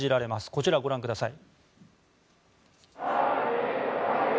こちら、ご覧ください。